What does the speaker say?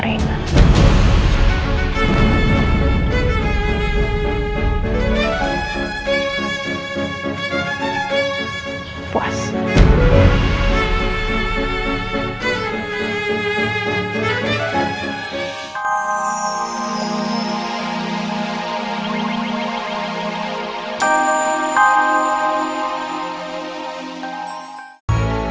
sudah bertahun tahun kan